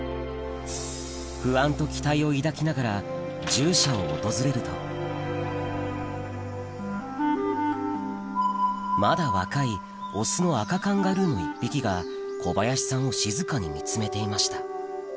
獣舎を訪れるとまだ若いオスのアカカンガルーの１匹が小林さんを静かに見つめていました